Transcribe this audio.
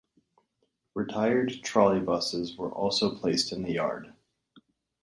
Retired trolley buses were also placed in the yard.